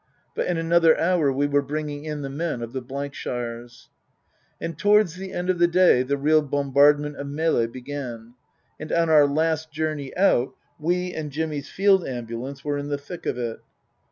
But in another hour we were bringing in the men of the shires. And towards the end of the day the real bombardment of Melle began, and on our last journey out we and Jimmy's Field Ambulance were in the thick of it.